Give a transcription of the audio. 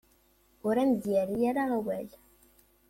Ur am-d-yerri ara awal?